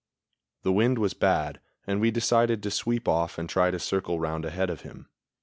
The wind was bad, and we decided to sweep off and try to circle round ahead of him.